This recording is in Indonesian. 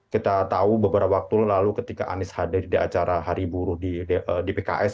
kita tahu beberapa waktu lalu ketika anies hadir di acara hari buruh di pks